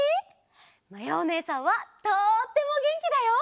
まやおねえさんはとってもげんきだよ。